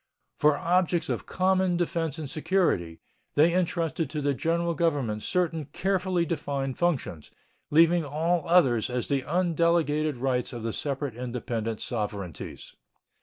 For objects of common defense and security, they intrusted to the General Government certain carefully defined functions, leaving all others as the undelegated rights of the separate independent sovereignties.